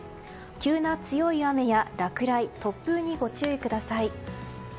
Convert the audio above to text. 急な強い雨や落雷、突風にご注意ください。